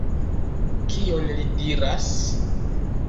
Kion li diras?